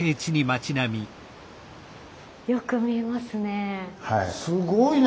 よく見えますね。